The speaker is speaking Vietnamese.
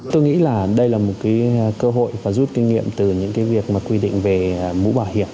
tôi nghĩ là đây là một cái cơ hội và rút kinh nghiệm từ những cái việc mà quy định về mũ bảo hiểm